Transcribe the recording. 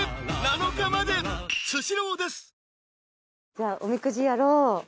じゃあおみくじやろう。